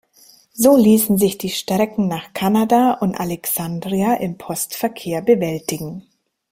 So ließen sich die Strecken nach Kanada und Alexandria im Postverkehr bewältigen.